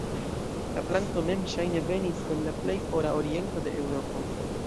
La planto mem ŝajne venis el la plej fora oriento de Eŭropo.